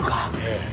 ええ。